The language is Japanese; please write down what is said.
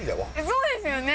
そうですよね？